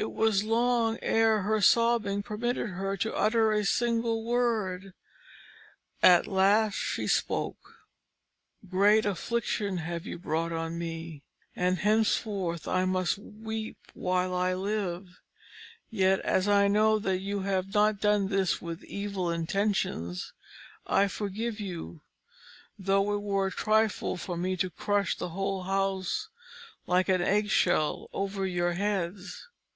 It was long ere her sobbing permitted her to utter a single word; at last she spoke: "Great affliction have you brought on me, and henceforth I must weep while I live; yet as I know that you have not done this with evil intentions, I forgive you, though it were a trifle for me to crush the whole house like an egg shell over your heads."